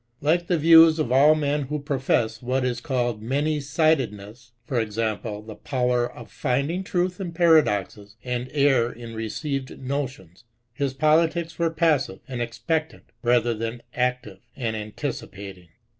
Like the views of all men who profess what is called many sidedness (i. e. the power of finding truth in paradoxes, and error in received notions) his politics were passive and expectant, rather than active and anticipating.